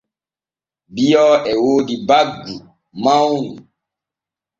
Bio e woodi baggu mawnu.